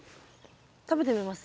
食べてみます？